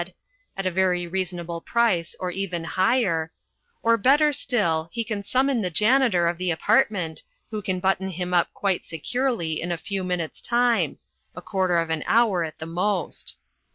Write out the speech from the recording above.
] at a very reasonable price or even higher), or better still, he can summon the janitor of the apartment, who can button him up quite securely in a few minutes' time a quarter of an hour at the most.